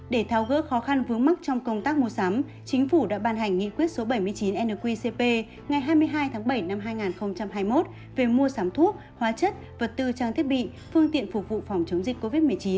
để tháo gỡ khó khăn vướng mắc trong công tác mua sắm chính phủ đã ban hành nghị quyết số bảy mươi chín nqcp ngày hai mươi hai tháng bảy năm hai nghìn hai mươi một về mua sắm thuốc hóa chất vật tư trang thiết bị phương tiện phục vụ phòng chống dịch covid một mươi chín